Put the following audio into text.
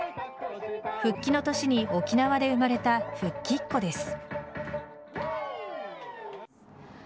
復帰の年に沖縄で生まれた復帰っ子です。